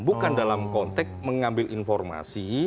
bukan dalam konteks mengambil informasi